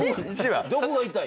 どこが痛い？